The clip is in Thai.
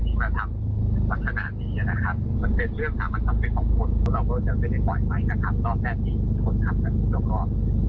ที่มาทำศาสนาดีนะครับมันเป็นเรื่องค่ะมันความสำเร็จของคน